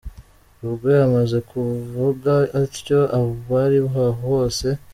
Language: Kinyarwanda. Rugwe amaze kuvuga atyo, abari aho bose